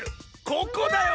ここだよ！